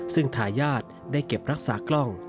ซึ่งทายาทได้เก็บรักษากล้อง